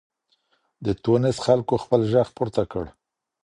د ټونس خلګو خپل ږغ پورته کړ.